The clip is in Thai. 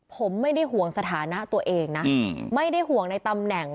ผมไม่ได้ห่วงสถานะตัวเองนะไม่ได้ห่วงในตำแหน่ง